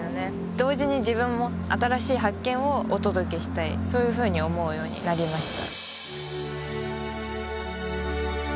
同時に自分も新しい発見をお届けしたいそういうふうに思うようになりました